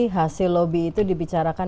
hasil lobby itu dibicarakan